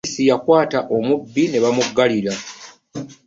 Poliisi yakwaata omubbi n'emugalira.